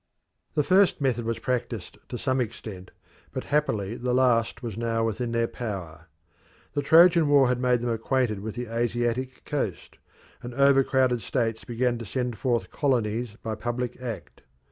The first method was practised to some extent, but happily the last was now within their power. The Trojan war had made them acquainted with the Asiatic coast, and overcrowded states began to send forth colonies by public act.